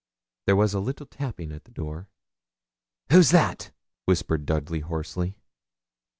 There was a little tapping at the door. 'Who's that?' whispered Dudley, hoarsely.